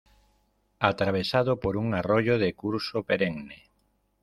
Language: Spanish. Atravesado por un arroyo de curso perenne.